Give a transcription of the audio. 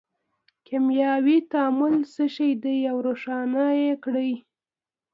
کیمیاوي تعامل څه شی دی او روښانه یې کړئ.